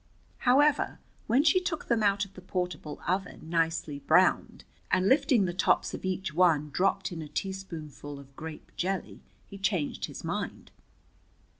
However, when she took them out of the portable oven, nicely browned, and lifting the tops of each one dropped in a teaspoonful of grape jelly, he changed his mind.